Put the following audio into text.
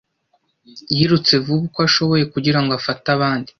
Yirutse vuba uko ashoboye kugira ngo afate abandi.